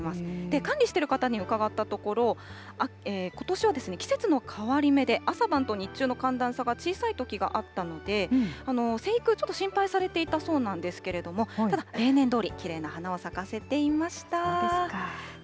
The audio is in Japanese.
管理している方に伺ったところ、ことしは季節の変わり目で、朝晩と日中の寒暖差が小さいときがあったので、生育、ちょっと心配されていたそうなんですが、ただ、例年どおり、きれいな花を咲かせそうですか。